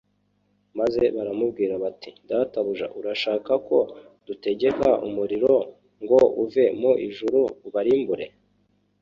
maze baramubwira bati: "Databuja urashaka ko dutegeka umuriro ngo uve mu ijuru ubarimbure?